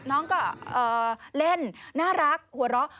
น้องก็เล่นน่ารักหัวเราะ